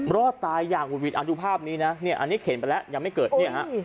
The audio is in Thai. รอดตายอย่างหุดหิดดูภาพนี้นะเนี่ยอันนี้เข็นไปแล้วยังไม่เกิดเนี่ยฮะ